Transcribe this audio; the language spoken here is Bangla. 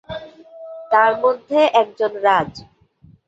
তার মধ্যে একজন রাজ।